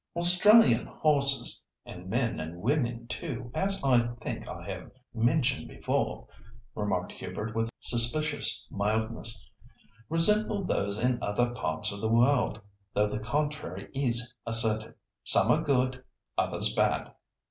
"Australian horses (and men and women too, as I think I have mentioned before)," remarked Hubert with suspicious mildness, "resemble those in other parts of the world, though the contrary is asserted. Some are good, others bad.